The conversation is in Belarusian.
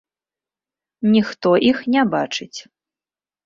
Ніхто іх не бачыць.